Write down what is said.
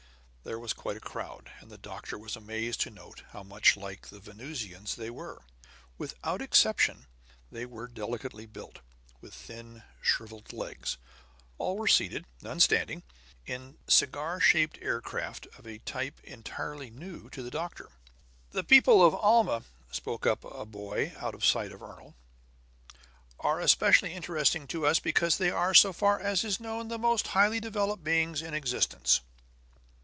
There was quite a crowd; and the doctor was amazed to note how much like the Venusians they were. Without exception they were delicately built, with thin, shriveled legs; all were seated, none standing, in cigar shaped aircraft of a type entirely new to the doctor. "The people of Alma," spoke up a boy out of sight of Ernol, "are especially interesting to us because they are, so far as is known, the most highly developed beings in existence."